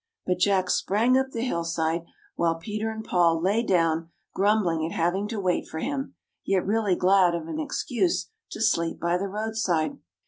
But Jack sprang up the hillside, while Peter and Paul lay down, grumbling at hav ing to wait for him, yet really glad of an excuse to sleep by the roadside.